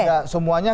tapi tahu ya